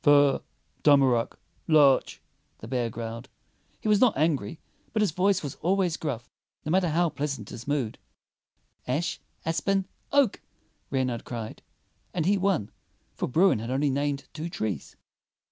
"Fir, tamarack, larch," the bear growled. He was not angry, but his voice was always gruff, no matter how pleasant his mood. "Ash, aspen, oak," Reynard cried; and he won, for Bruin had only named two trees.